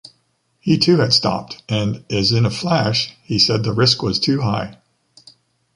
He too had stopped and, as in a flash, he said the risk was too high